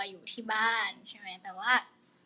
อยู่ที่บ้านใช่ไหมแต่ว่า